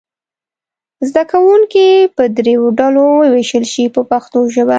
زده کوونکي به دریو ډلو وویشل شي په پښتو ژبه.